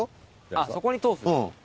あっそこに通す。